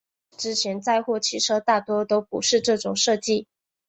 在此之前载货汽车大多都不是这种设计。